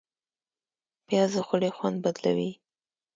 پیاز د خولې خوند بدلوي